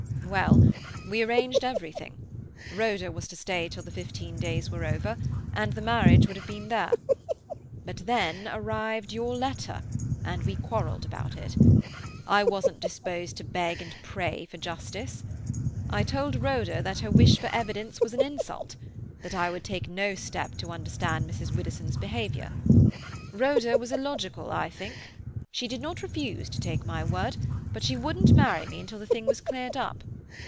"Well, we arranged everything. Rhoda was to stay till the fifteen days were over, and the marriage would have been there. But then arrived your letter, and we quarrelled about it. I wasn't disposed to beg and pray for justice. I told Rhoda that her wish for evidence was an insult, that I would take no step to understand Mrs. Widdowson's behaviour. Rhoda was illogical, I think. She did not refuse to take my word, but she wouldn't marry me until the thing was cleared up.